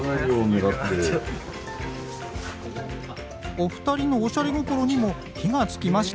お二人のおしゃれ心にも火がつきました。